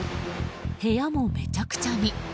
部屋もめちゃくちゃに。